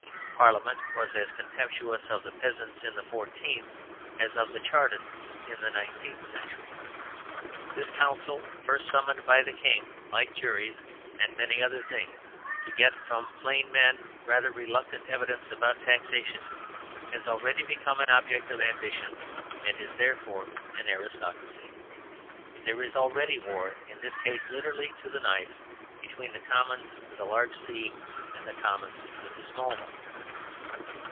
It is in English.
Parliament was as contemptuous of the peasants in the fourteenth as of the Chartists in the nineteenth century. This council, first summoned by the king like juries and many other things, to get from plain men rather reluctant evidence about taxation, has already become an object of ambition, and is, therefore, an aristocracy. There is already war, in this case literally to the knife, between the Commons with a large C and the commons with a small one.